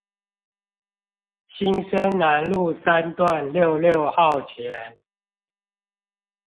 新生南路三段六六號前